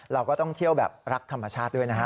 เราก็ต้องเที่ยวแบบรักธรรมชาติด้วยนะฮะ